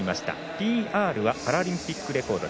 ＰＲはパラリンピックレコード。